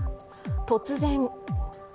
突然。